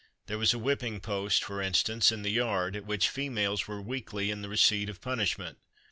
There was a whipping post, for instance, in the yard, at which females were weekly in the receipt of punishment.